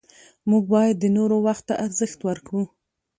موږ باید د نورو وخت ته ارزښت ورکړو